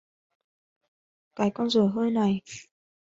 Cái con dở hơi này